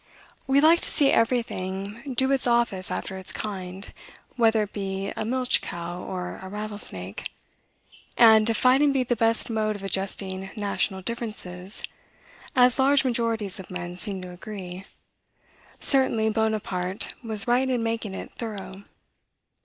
We like to see everything do its office after its kind, whether it be a milch cow or a rattlesnake; and, if fighting be the best mode of adjusting national differences (as large majorities of men seem to agree), certainly Bonaparte was right in making it thorough.